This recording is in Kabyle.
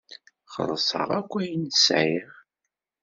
Xellṣeɣ akk ayen ay sɛiɣ.